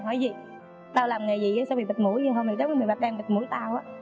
hỏi gì tao làm nghề gì sao bị bịt mũi vậy hôm nay mẹ bạch đang bịt mũi tao